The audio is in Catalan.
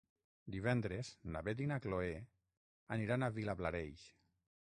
Divendres na Beth i na Chloé aniran a Vilablareix.